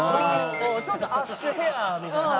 ちょっとアッシュヘアみたいな。